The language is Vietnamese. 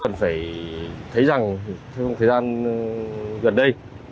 cần phải thấy rằng trong thời gian gần đây